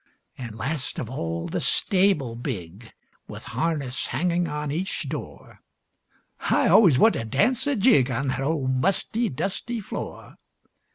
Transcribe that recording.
An' last of all the stable big, With harness hanging on each door, I always want to dance a jig On that old musty, dusty floor.